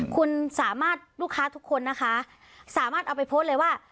คุณสามารถลูกค้าทุกคนนะคะสามารถเอาไปโพสต์เลยว่า